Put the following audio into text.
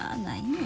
うん。